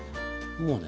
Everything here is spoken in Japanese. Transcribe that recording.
もうね。